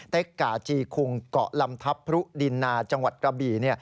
กาจีคุงเกาะลำทัพพรุดินนาจังหวัดกระบี่